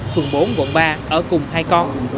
phường bốn quận ba ở cùng hai con